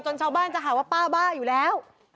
ชาวบ้านจะหาว่าป้าบ้าอยู่แล้ว